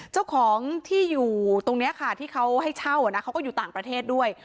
เจ้าของที่อยู่ตรงนี้ค่ะที่เขาให้เช่าเขาก็อยู่ต่างประเทศด้วย